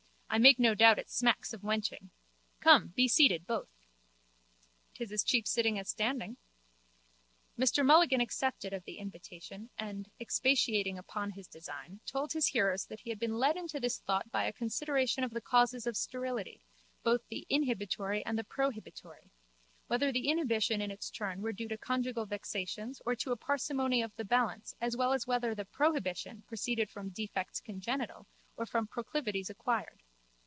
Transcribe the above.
I make no doubt it smacks of wenching. Come, be seated, both. 'Tis as cheap sitting as standing. Mr Mulligan accepted of the invitation and, expatiating upon his design, told his hearers that he had been led into this thought by a consideration of the causes of sterility, both the inhibitory and the prohibitory, whether the inhibition in its turn were due to conjugal vexations or to a parsimony of the balance as well as whether the prohibition proceeded from defects congenital or from proclivities acquired.